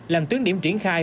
làm tướng điểm triển khai